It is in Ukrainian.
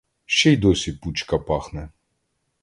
Ще й досі пучка пахне.